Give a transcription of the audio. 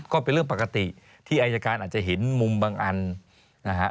ก็เป็นเรื่องปกติที่อายการอาจจะเห็นมุมบางอันนะฮะ